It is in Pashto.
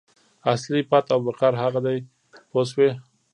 اصلي پت او وقار هغه دی پوه شوې!.